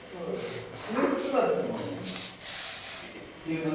クリスマスにっていうのでもう。